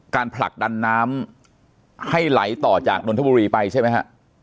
ผลักดันน้ำให้ไหลต่อจากนนทบุรีไปใช่ไหมฮะ